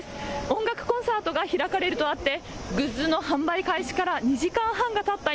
音楽コンサートが開かれるとあってグッズの販売開始から２時間半がたった